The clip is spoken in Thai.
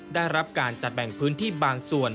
ได้รับการจัดแบ่งพื้นที่บางส่วน